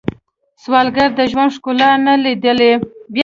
سوالګر د ژوند ښکلا نه لیدلې